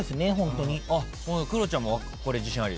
クロちゃんもこれ自信あり？